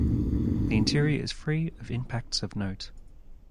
The interior is free of impacts of note.